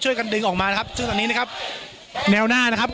กันดึงออกมานะครับซึ่งตอนนี้นะครับแนวหน้านะครับ